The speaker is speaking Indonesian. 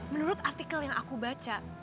menurut artikel yang aku baca